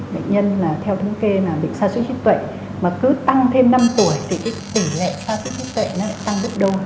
bệnh nhân là theo thống kê là bệnh sa sút trí tuệ mà cứ tăng thêm năm tuổi thì tỉ lệ sa sút trí tuệ nó lại tăng rất đông